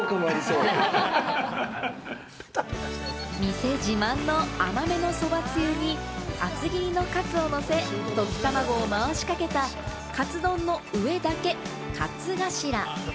店自慢の甘めのそばつゆに厚切りのカツをのせ、溶き卵を回しかけたカツ丼の上だけ、カツ頭。